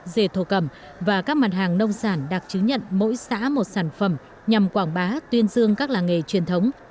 dề thổ cẩm và các mặt hàng nông sản đạt chứng nhận mỗi xã một sản phẩm nhằm quảng bá tuyên dương các làng nghề truyền thống